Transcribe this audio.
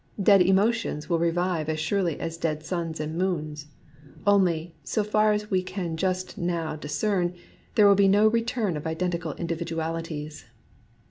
Dead emotions will revive as surely as dead suns and moons. Only, so far as we can just now DUST 91 discern, there will be no return of identical individualities.